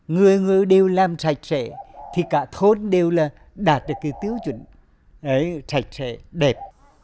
người người đều làm sạch sẽ thì cả thôn đều là đạt được cái tiêu chuẩn đấy sạch sẽ đẹp